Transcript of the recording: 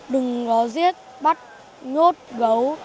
đừng có giết bắt nhốt gấu